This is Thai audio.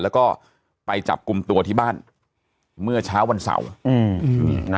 แล้วก็ไปจับกลุ่มตัวที่บ้านเมื่อเช้าวันเสาร์